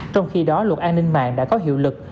trong khi đó luật an ninh mạng đã có hiệu lực